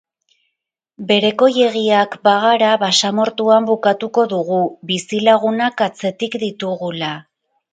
Berekoiegiak bagara basamortuan bukatuko dugu, bizilagunak atzetik ditugula.